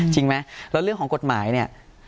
จริงไหมแล้วเรื่องของกฎหมายเนี่ย